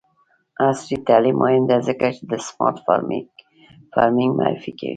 عصري تعلیم مهم دی ځکه چې د سمارټ فارمینګ معرفي کوي.